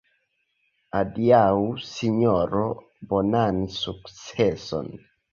Adiaŭ, sinjoro, bonan sukceson.